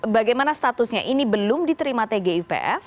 bagaimana statusnya ini belum diterima tgipf